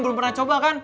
belum pernah coba kan